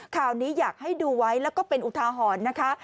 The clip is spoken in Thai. ข่าวนี้อยากให้ดูไว้แล้วก็เป็นอุทาหรณ์นะคะ